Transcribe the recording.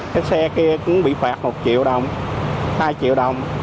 cái xe kia cũng bị phạt một triệu đồng hai triệu đồng